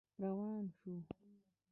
روان شو.